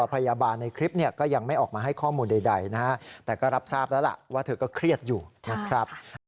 เพราะว่า